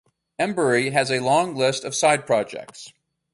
Embury has a long list of side projects.